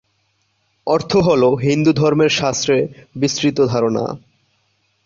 অর্থ হল হিন্দুধর্মের শাস্ত্রে বিস্তৃত ধারণা।